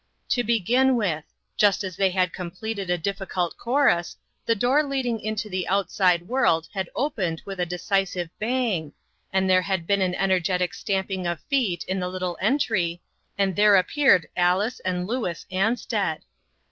To begin with : just as they had com pleted a difficult chorus, the door leading into the outside world had opened with a decisive bang, and there had been an ener getic stamping of feet in the little entry, and there appeared Alice and Louis Ansted.